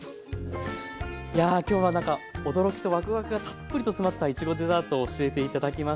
やあ今日はなんか驚きとワクワクがたっぷりと詰まったいちごデザートを教えて頂きました。